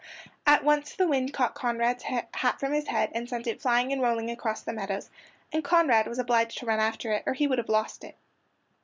At once the wind caught Conrad's hat from his head and sent it flying and rolling across the meadows, and Conrad was obliged to run after it or he would have lost it.